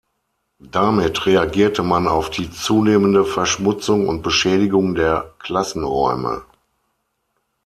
Damit reagierte man auf die zunehmende Verschmutzung und Beschädigung der Klassenräume.